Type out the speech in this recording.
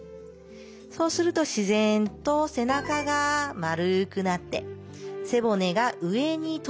そうすると自然と背中が丸くなって背骨が上に凸。